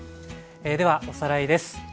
ではおさらいです。